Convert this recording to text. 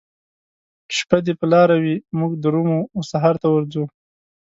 شپه دي په لاره وي موږ درومو وسحرته ورځو